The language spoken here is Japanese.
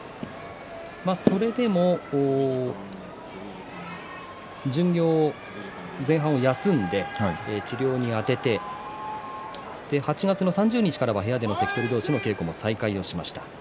それでも巡業前半を休んで、治療にあてて８月の３０日からは部屋で関取同士の稽古を再開しました。